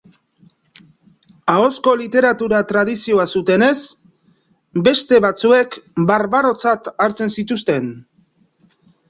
Ahozko literatura tradizioa zutenez, beste batzuek barbarotzat hartzen zituzten.